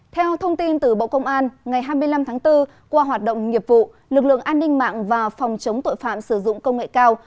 theo thông tin từ bộ công an ngày hai mươi năm tháng bốn qua hoạt động nghiệp vụ lực lượng an ninh mạng và phòng chống tội phạm sử dụng công nghệ cao